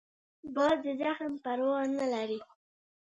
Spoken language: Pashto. باز د زخم پروا نه لري